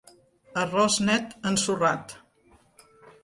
Arròs net ensorrat...